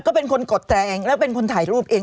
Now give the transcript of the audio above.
ก็เป็นคนกดแตรเองแล้วเป็นคนถ่ายรูปเอง